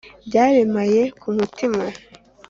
byaremaye ku mutima